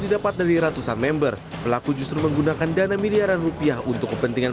didapat dari ratusan member pelaku justru menggunakan dana miliaran rupiah untuk kepentingan